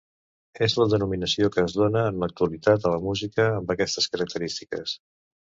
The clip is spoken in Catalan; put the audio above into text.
És la denominació que es dóna en l'actualitat a la música amb aquestes característiques.